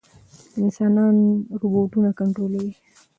انسانان روباټونه کنټرولوي.